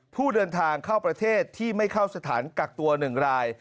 ผู้เดินทางเข้าประเทศที่ไม่เข้าสถานกักตัว๑ราย